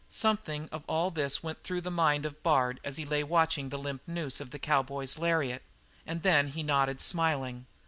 Something of all this went through the mind of Bard as he lay watching the limp noose of the cowboy's lariat, and then he nodded smiling.